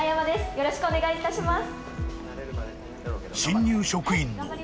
よろしくお願いします。